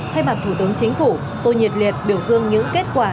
thay mặt thủ tướng chính phủ tôi nhiệt liệt biểu dương những kết quả